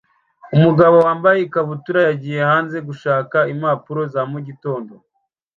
Umugabo wambaye ikabutura yagiye hanze gushaka impapuro za mugitondo